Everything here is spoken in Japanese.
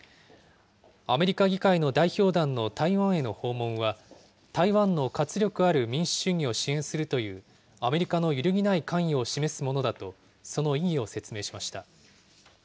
アメリカ議会の代表団の台湾への訪問は、台湾の活力ある民主主義を支援するというアメリカの揺るぎない関与を示すものだと、その意義を説明しました。